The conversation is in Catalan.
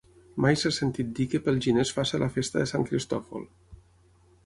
Mai s'ha sentit dir que pel gener es faci la festa de Sant Cristòfol.